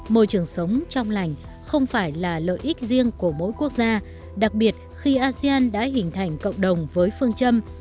môi trường sống trong lành không phải là lợi ích riêng của mỗi quốc gia đặc biệt khi asean đã hình thành cộng đồng với phương châm